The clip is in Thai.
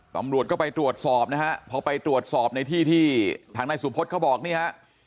ตำรวจก็ไปตรวจสอบนะฮะพอไปตรวจสอบในที่ที่ทางนายสุพธิ์เขาบอกนี่ฮะ